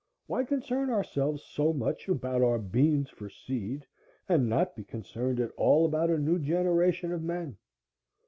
Why concern ourselves so much about our beans for seed, and not be concerned at all about a new generation of men?